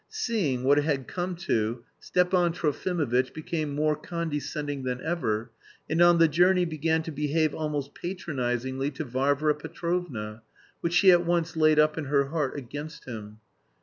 Seeing what it had come to, Stepan Trofimovitch became more condescending than ever, and on the journey began to behave almost patronisingly to Varvara Petrovna which she at once laid up in her heart against him.